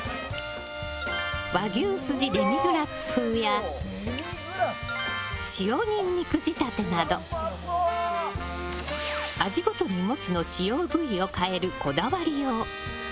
和牛スジデミグラス風や塩にんにく仕立てなど味ごとにモツの使用部位を変えるこだわりよう。